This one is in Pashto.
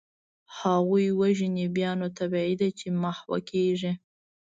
هغوی وژني، بیا نو طبیعي ده چي محوه کیږي.